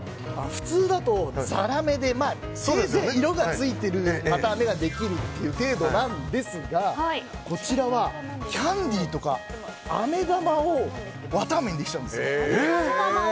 普通だと、ざらめで色がついている綿あめができるという程度ですがこちらはキャンディーとかあめ玉を綿あめにできちゃうんです。